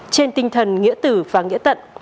trên tinh thần nghĩa tử và nghĩa tận